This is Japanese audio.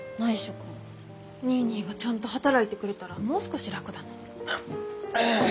ニーニーがちゃんと働いてくれたらもう少し楽だのに。